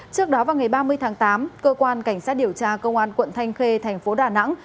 trước đó vào ngày ba mươi tháng tám cơ quan cảnh sát điều tra công an quận thanh khê thành phố đà nẵng